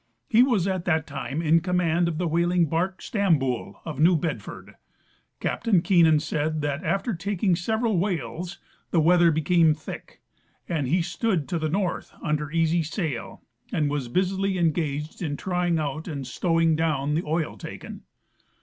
He was at that time in command of the whaling bark Staviboul^ of New Bedford. Captain Keenan said that after taking several whales the weather became thick, and he stood to the north under easy sail, and was busily engaged in trying out and stowing down the oil taken.